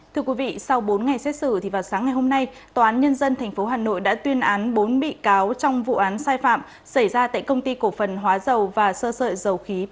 thưa quý vị sau bốn ngày xét xử thì vào sáng ngày hôm nay tòa án nhân dân tp hà nội đã tuyên án bốn bị cáo trong vụ án sai phạm xảy ra tại công ty cổ phần hóa dầu và hà nội